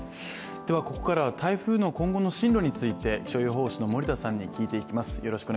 ここからは台風の今後の進路について気象予報士の森田さんに聞いていきます。